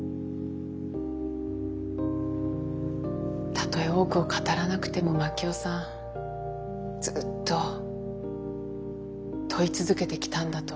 たとえ多くを語らなくても真樹夫さんずっと問い続けてきたんだと思う。